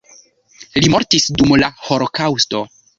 Li mortis dum la holokaŭsto.